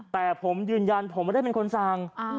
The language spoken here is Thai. แต่ผมยืนยันผมไม่ได้เป็นคนสั่ง